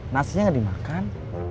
nasinya gak dimakan